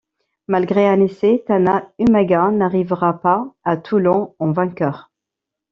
Malgré un essai, Tana Umaga n’arrivera pas à Toulon en vainqueur.